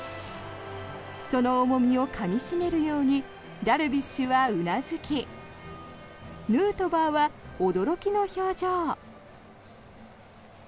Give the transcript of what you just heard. その重みをかみ締めるようにダルビッシュはうなずきヌートバーは驚きの表情。